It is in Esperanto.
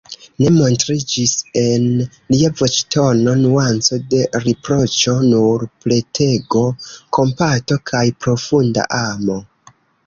Ne montriĝis en lia voĉtono nuanco de riproĉo, nur petego, kompato kaj profunda amo.